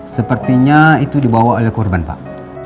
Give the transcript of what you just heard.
sepertinya itu dibawa oleh korban pak